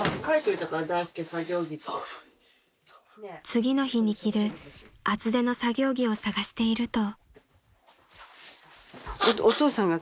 ［次の日に着る厚手の作業着を探していると］